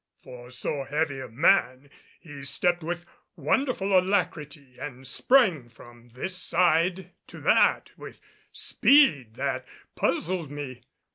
For so heavy a man, he stepped with wonderful alacrity and sprang from this side to that with such speed that he puzzled me.